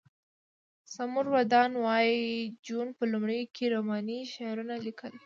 سمور ودان وایی جون په لومړیو کې رومانوي شعرونه لیکل